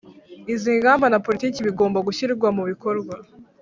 Izi ngamba na politiki bigomba gushyirwa mu bikorwa